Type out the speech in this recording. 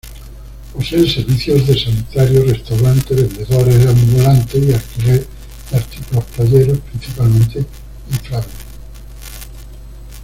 Posee servicios de sanitarios, restaurante, vendedores ambulantes y alquiler de artículos playeros, principalmente inflables.